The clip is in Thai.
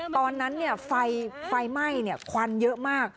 ตอนนั้นเนี่ยไฟไหม้เนี่ยควันเยอะมาก